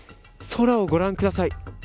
空をご覧ください。